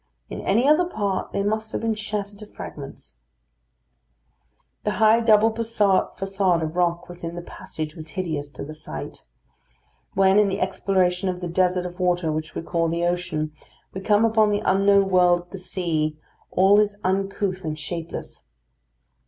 In any other part they must have been shattered to fragments. The high double façade of rock within the passage was hideous to the sight. When, in the exploration of the desert of water which we call the ocean, we come upon the unknown world of the sea, all is uncouth and shapeless.